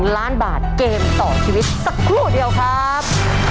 ล้านบาทเกมต่อชีวิตสักครู่เดียวครับ